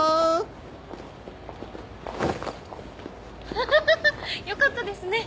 ハハハハよかったですね。